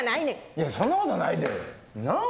いやそんなことないで。なあ？